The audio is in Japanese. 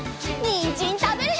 にんじんたべるよ！